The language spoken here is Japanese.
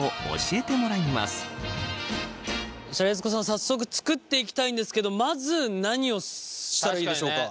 早速作っていきたいんですけどまず何をしたらいいでしょうか？